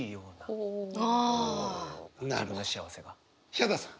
ヒャダさん。